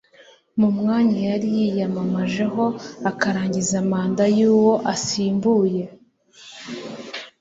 mu mwanya yari yiyamamajeho akarangiza manda y'uwo asimbuye